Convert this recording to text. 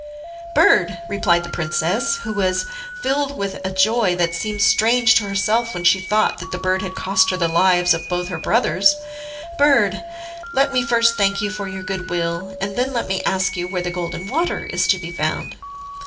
"Bird," replied the princess, who was filled with a joy that seemed strange to herself when she thought that the bird had cost her the lives of both her brothers, "bird, let me first thank you for your good will, and then let me ask you where the Golden Water is to be found."